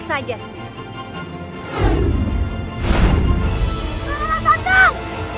aku akan menanggungmu